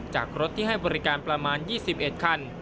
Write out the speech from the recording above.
จากรถที่ให้บริการประมาณ๒๑คัน